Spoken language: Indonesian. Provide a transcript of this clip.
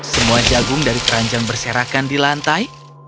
semua jagung dari keranjang berserakan di lantai